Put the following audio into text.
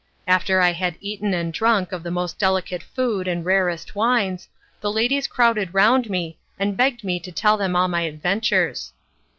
After I had eaten and drunk of the most delicate food and rarest wines, the ladies crowded round me and begged me to tell them all my adventures.